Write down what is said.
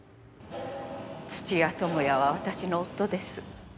土屋友也は私の夫です。